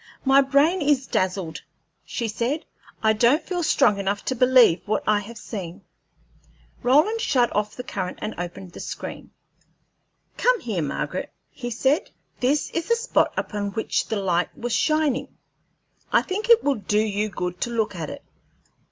"My brain is dazzled," she said. "I don't feel strong enough to believe what I have seen." Roland shut off the current and opened the screen. "Come here, Margaret," he said; "this is the spot upon which the light was shining. I think it will do you good to look at it.